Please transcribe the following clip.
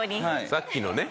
さっきのね。